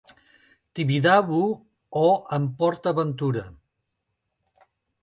Tibidabo o en Port Aventura.